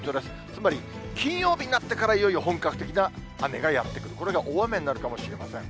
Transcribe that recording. つまり、金曜日になってから、いよいよ本格的な雨がやって来る、これが大雨になるかもしれません。